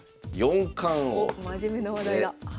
おっ真面目な話題だ。